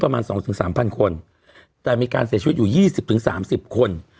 ประมาณสองถึงสามพันคนแต่มีการเสียชีวิตอยู่ยี่สิบถึงสามสิบคน